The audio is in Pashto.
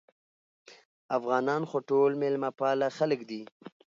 افغانان خو ټول مېلمه پاله خلک دي